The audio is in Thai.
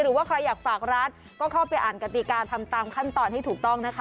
หรือว่าใครอยากฝากร้านก็เข้าไปอ่านกติกาทำตามขั้นตอนให้ถูกต้องนะคะ